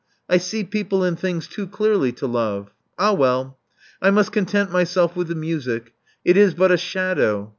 I see people and things too clearly to love. Ah well ! I must content myself with the music. It is but a shadow.